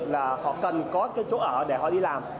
là họ cần có cái chỗ ở để họ đi làm